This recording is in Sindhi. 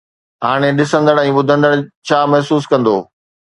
هاڻي ڏسندڙ ۽ ٻڌندڙ ڇا محسوس ڪندو؟